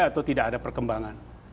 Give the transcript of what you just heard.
atau tidak ada perkembangan